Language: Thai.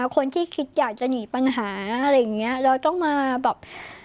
คนที่คิดอยากจะหนีปัญหาอะไรอย่างเงี้ยเราต้องมาแบบ